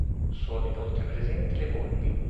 Sono inoltre presenti le volpi.